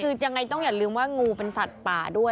คือยังไงต้องอย่าลืมว่างูเป็นสัตว์ป่าด้วย